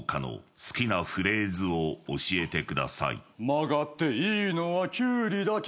「曲がっていいのはきゅうりだけ」